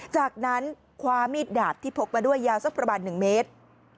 จากนั้นคว้ามีดดาบที่พกมาด้วยยาวสักประมาณ๑เมตร